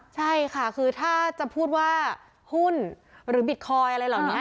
ใช่ค่ะคือถ้าจะพูดว่าหุ้นหรือบิตคอยน์อะไรเหล่านี้